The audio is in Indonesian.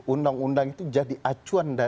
undang undang itu jadi acuan